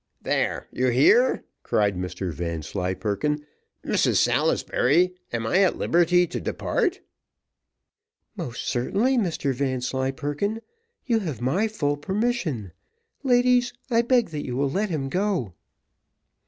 "There, you hear," cried Mr Vanslyperken; "Mrs Salisbury, am I at liberty to depart?" "Most certainly, Mr Vanslyperken; you have my full permission. Ladies, I beg that you will let him go."